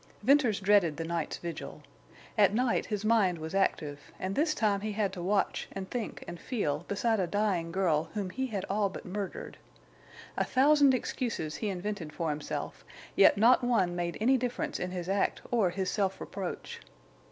Venters dreaded the night's vigil. At night his mind was active, and this time he had to watch and think and feel beside a dying girl whom he had all but murdered. A thousand excuses he invented for himself, yet not one made any difference in his act or his self reproach.